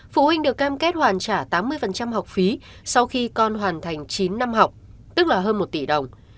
phụ huynh được cam kết hoàn trả tám mươi học phí sau khi con hoàn thành chín năm học tức là hơn một tỷ đồng